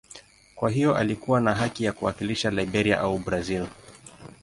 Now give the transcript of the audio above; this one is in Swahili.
Kwa hiyo alikuwa na haki ya kuwakilisha Liberia au Brazil.